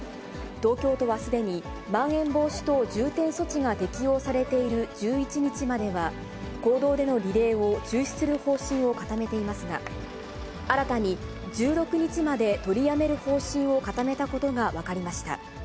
東京都はすでにまん延防止等重点措置が適用されている１１日までは、公道でのリレーを中止する方針を固めていますが、新たに、１６日まで取りやめる方針を固めたことが分かりました。